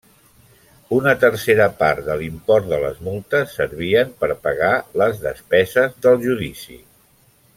Una tercera part de l'import de les multes servien per pagar les despeses del judici.